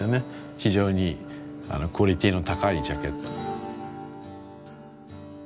非常にクオリティーの高いジャケット。